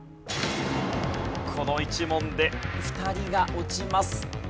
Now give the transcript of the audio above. この１問で２人が落ちます。